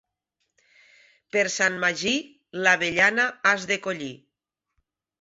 Per Sant Magí, l'avellana has de collir.